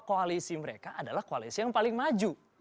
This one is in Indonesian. koalisi mereka adalah koalisi yang paling maju